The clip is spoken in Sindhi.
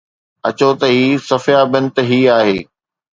اچو ته هي صفيه بنت حي آهي